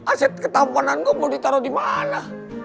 aset ketahuan gue mau ditaruh di mana